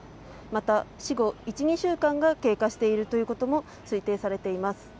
また、死後１２週間が経過しているということも推定されています。